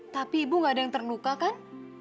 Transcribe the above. tapi ibu gak ada yang terluka kan